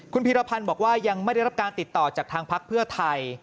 คุณพีรพันธ์บอกว่ายังไม่ได้รับการติดต่อจากทางพักเพื่อไทย